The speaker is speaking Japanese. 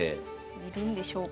いるんでしょうか。